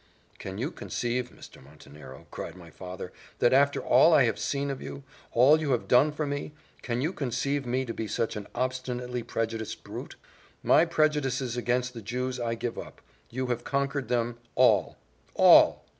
"Can you conceive, Mr. Montenero," cried my father, "that after all I have seen of you all you have done for me can you conceive me to be such an obstinately prejudiced brute? My prejudices against the Jews I give up you have conquered them all, all.